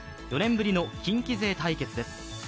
４年ぶりの近畿勢対決です。